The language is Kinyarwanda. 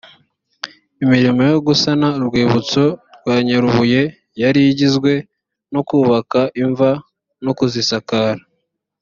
imirimo yo gusana urwibutso rwa nyarubuye yari igizwe no kubaka imva, no kuzisakara